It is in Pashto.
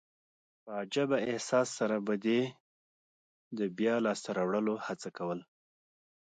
په عجبه احساس سره به دي يي د بیا لاسته راوړلو هڅه کول.